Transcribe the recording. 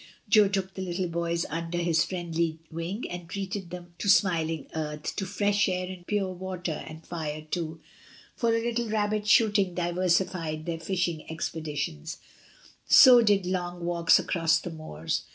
Jo took the little boys under his friendly wing, and treated them to smiling earth, to fresh air and pure water, and fire too, for a little 266 MBS. DYMOND, rabbit shooting diversified their fishing expeditions, so did long walks across the moors.